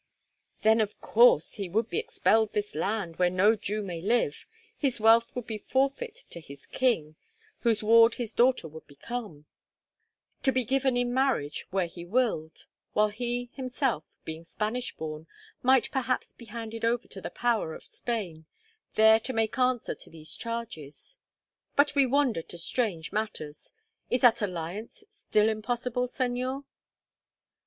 "Then, of course, he would be expelled this land, where no Jew may live, his wealth would be forfeit to its king, whose ward his daughter would become, to be given in marriage where he willed, while he himself, being Spanish born, might perhaps be handed over to the power of Spain, there to make answer to these charges. But we wander to strange matters. Is that alliance still impossible, Señor?"